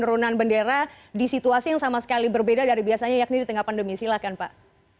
penurunan bendera di situasi yang sama sekali berbeda dari biasanya yakni di tengah pandemi silahkan pak